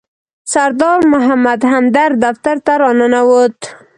سردار محمد همدرد دفتر ته راننوت.